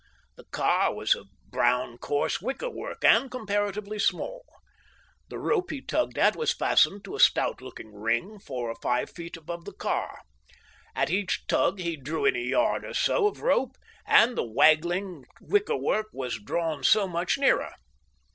The car was of brown coarse wicker work, and comparatively small. The rope he tugged at was fastened to a stout looking ring, four or five feet above the car. At each tug he drew in a yard or so of rope, and the waggling wicker work was drawn so much nearer.